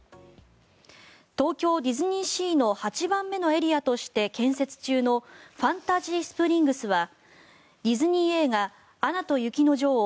東京ディズニーシーの８番目のエリアとして建設中のファンタジースプリングスはディズニー映画「アナと雪の女王」